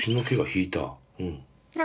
うん。